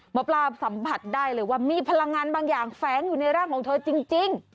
หมอปลาสัมผัสได้เลยว่ามีพลังงานบางอย่างแฝงอยู่ในร่างของเธอจริง